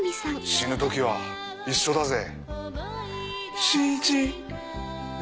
「死ぬ時は一緒だぜ」。